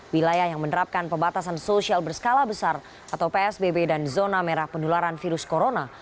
wilayah yang menerapkan pembatasan sosial berskala besar atau psbb dan zona merah pendularan virus corona